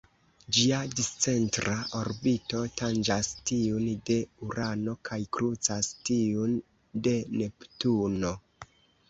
Ĝia discentra orbito tanĝas tiun de Urano kaj krucas tiun de Neptuno.